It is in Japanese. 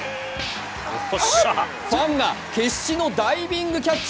ファンが決死のダイビングキャッチ。